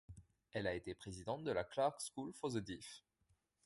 Elle a été présidente de la Clarke School for the Deaf.